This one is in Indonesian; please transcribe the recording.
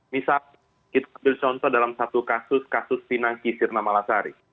misal kita ambil contoh dalam satu kasus kasus pinangki sirna malasari